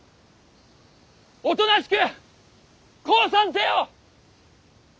おとなしく降参せよ！